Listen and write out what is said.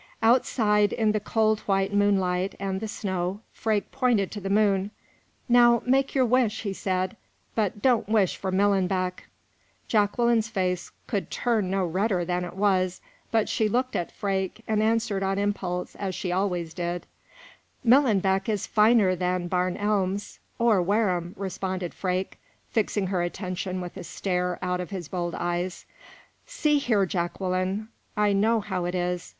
Outside, in the cold, white moonlight and the snow, Freke pointed to the moon. "Now make your wish," he said; "but don't wish for Millenbeck." Jacqueline's face could turn no redder than it was, but she looked at Freke, and answered on impulse, as she always did: "Millenbeck is finer than Barn Elms " "Or Wareham," responded Freke, fixing her attention with a stare out of his bold eyes. "See here, Jacqueline, I know how it is.